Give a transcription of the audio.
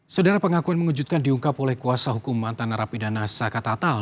saudara pengakuan mengejutkan diungkap oleh kuasa hukum mantan narapidana saka tatal